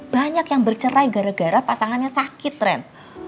banyak yang bercerai gara gara pasangannya sakit tren